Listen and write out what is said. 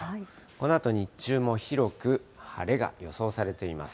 このあと日中も、広く晴れが予想されています。